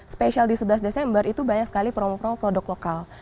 spesial di sebelas desember itu banyak sekali promo promo produk lokal